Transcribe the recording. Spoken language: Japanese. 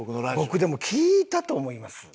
僕でも聴いたと思います。